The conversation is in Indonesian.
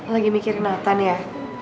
lagi mikirin nathan ya